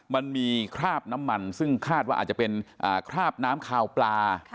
มันมีคราบน้ำมันซึ่งคาดว่าอาจจะเป็นคราบน้ำคาวปลา